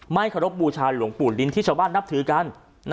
เคารพบูชาหลวงปู่ลิ้นที่ชาวบ้านนับถือกัน